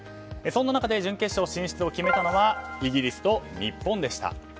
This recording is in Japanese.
そんな中準決勝進出を決めたのはイギリスと日本でした。